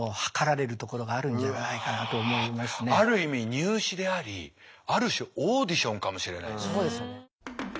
ある意味入試でありある種オーディションかもしれないですよ。